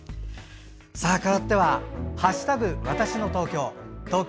かわっては「＃わたしの東京」。